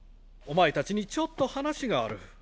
お前たちにちょっと話がある。